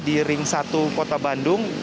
di ring satu kota bandung